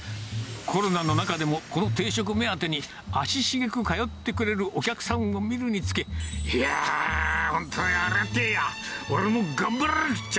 コロナの中でも、この定食目当てに足しげく通ってくれるお客さんを見るにつけ、いやー、本当にありがてぇや、俺も頑張らなくちゃ！